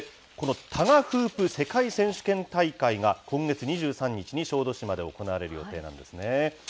タガフープ世界選手権大会が、今月２３日に小豆島で行われる予定なんですね。